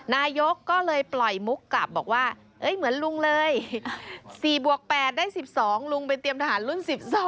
นายกก็เลยปล่อยมุกกลับบอกว่าเหมือนลุงเลย๔บวก๘ได้๑๒ลุงไปเตรียมทหารรุ่น๑๒